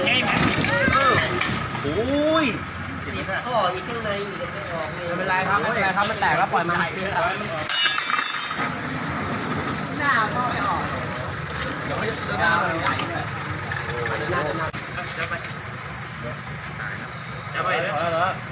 เต้นส่วนใช้สายท่วยสร้างเวลาคราบ